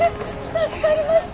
助かりました。